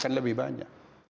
akan lebih banyak